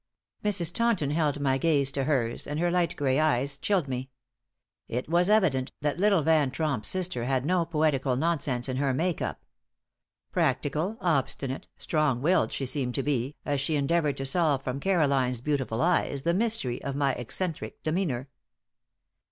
Mrs. Taunton held my gaze to hers, and her light gray eyes chilled me. It was evident that little Van Tromp's sister had no poetical nonsense in her make up. Practical, obstinate, strong willed she seemed to be, as she endeavored to solve from Caroline's beautiful eyes the mystery of my eccentric demeanor.